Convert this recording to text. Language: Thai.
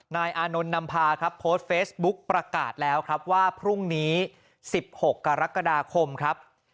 นายอานนท์นำพาครับโพสต์เฟซบุ๊กประกาศแล้วครับว่าพรุ่งนี้๑๖กรกฎาคมครับ